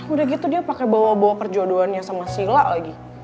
udah gitu dia pakai bawa bawa perjodohannya sama sila lagi